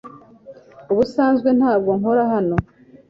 Ubusanzwe ntabwo nkora hano .